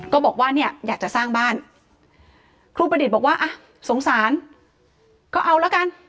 ก็บอกว่าเนี่ยอยากจะสร้างบ้านครูประดิษฐ์บอกว่าอ่ะสงสารก็เอาละกัน